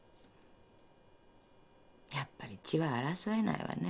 やっぱり血は争えないわね。